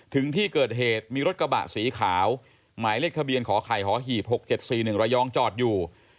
ถึงที่เกิดเหตุมีรถกระบะสีขาวหมายเลขทะเบียนขอไข่หอหีบ๖๗๔๑ระยองจอดอยู่